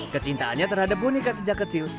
kecintaannya terhadap boneka sejak kecil